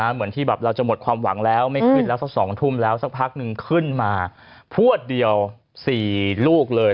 เหมือนที่แบบเราจะหมดความหวังแล้วไม่ขึ้นแล้วสัก๒ทุ่มแล้วสักพักนึงขึ้นมาพวดเดียว๔ลูกเลย